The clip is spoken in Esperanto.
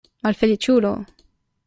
Malfeliĉulo!